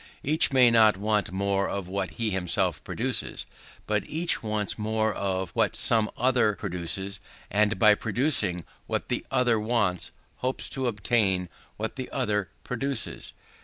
Each may not want more of what he himself produces, but each wants more of what some other produces; and, by producing what the other wants, hopes to obtain what the other produces.